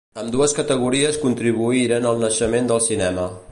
Ambdues categories contribuïren al naixement del cinema.